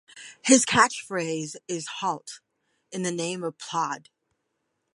His catchphrase is Halt, in the name of Plod!